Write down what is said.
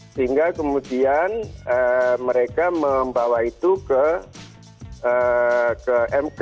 sehingga kemudian mereka membawa itu ke mk